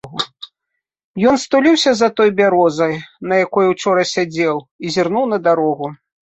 Ён стуліўся за той бярозай, на якой учора сядзеў, і зірнуў на дарогу.